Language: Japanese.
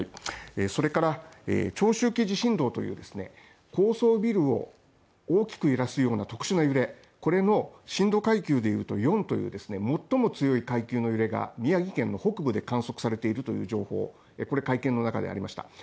それから長周期地震動という高層ビルを大きく揺らすような特殊な揺れ、これの震度階級でいうと４という最も強い階級の揺れが宮城県北部で観測されているということが会見の中でありました。